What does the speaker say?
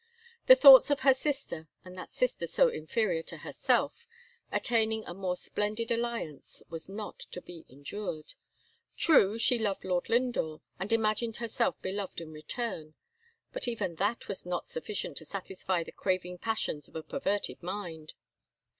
The thoughts of her sister and that sister so inferior to herself attaining a more splendid alliance, was not to be endured. True, she loved Lord Lindore, and imagined herself beloved in return; but even that was not sufficient to satisfy the craving passions of a perverted mind.